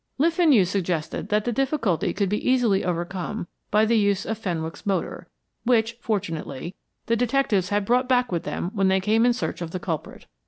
Le Fenu suggested that the difficulty could be easily overcome by the use of Fenwick's motor, which, fortunately, the detectives had brought back with them when they came in search of the culprit.